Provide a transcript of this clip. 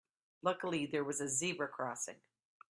Luckily there was a zebra crossing.